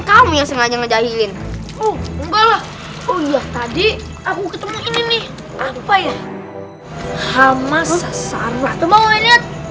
banyak ngejahilin oh enggak lah oh iya tadi aku ketemu ini nih apa ya hama sasara temen